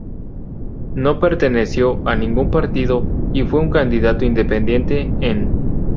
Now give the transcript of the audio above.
No perteneció a ningún partido y fue un candidato independiente en.